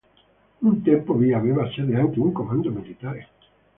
Un tempo vi aveva sede anche un comando militare.